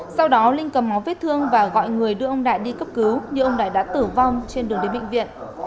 sau đó linh cầm máu vết thương và gọi người đưa ông đại đi cấp cứu nhưng ông đại đã tử vong trên đường đến bệnh viện